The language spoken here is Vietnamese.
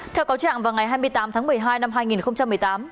theo cáo trạng vào ngày hai mươi tám tháng một mươi hai năm hai nghìn một mươi tám